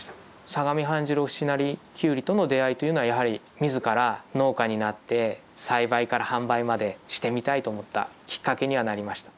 相模半白節成キュウリとの出会いというのはやはり自ら農家になって栽培から販売までしてみたいと思ったきっかけにはなりました。